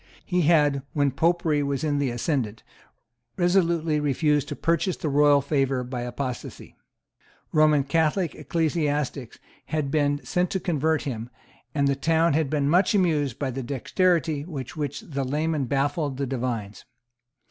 He had, when Popery was in the ascendant, resolutely refused to purchase the royal favour by apostasy. Roman Catholic ecclesiastics had been sent to convert him; and the town had been much amused by the dexterity with which the layman baffled the divines.